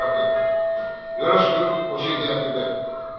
よろしく教えてやってくれ。